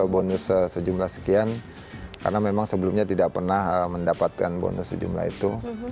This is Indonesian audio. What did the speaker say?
bonus sejumlah sekian karena memang sebelumnya tidak pernah mendapatkan bonus sejumlah itu